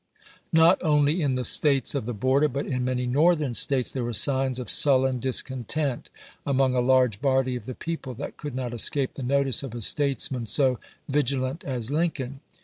Not only in the States of the border, but in many Northern States, there were signs of sullen discontent among a large body of the people that could not escape the notice of a statesman so vigi lant as Lincoln.